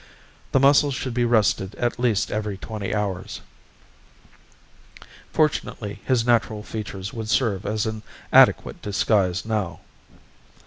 The muscles should be rested at least every twenty hours. Fortunately his natural features would serve as an adequate disguise now.